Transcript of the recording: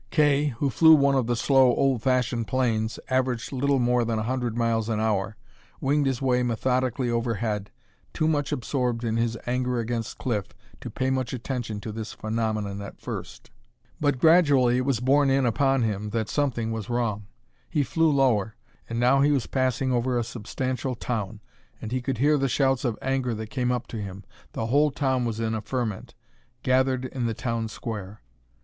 Kay, who flew one of the slow, old fashioned planes, averaging little more than a hundred miles an hour, winged his way methodically overhead, too much absorbed in his anger against Cliff to pay much attention to this phenomenon at first. But gradually it was borne in upon him that something was wrong. He flew lower, and now he was passing over a substantial town, and he could hear the shouts of anger that came up to him. The whole town was in a ferment, gathered in the town square.